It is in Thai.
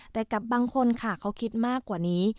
แต่กับบางคนค่ะเขาคิดมากกว่านี้